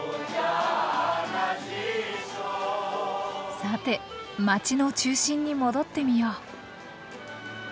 さて街の中心に戻ってみよう。